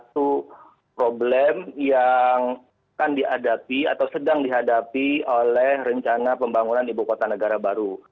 satu problem yang akan dihadapi atau sedang dihadapi oleh rencana pembangunan ibu kota negara baru